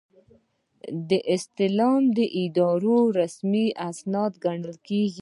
استعلام د ادارې رسمي سند ګڼل کیږي.